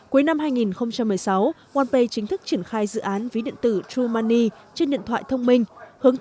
cuối năm hai nghìn một mươi sáu onepay chính thức triển khai dự án ví điện tử truemoney trên điện thoại thông minh